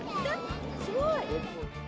すごい。